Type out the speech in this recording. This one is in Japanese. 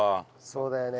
そうだよね。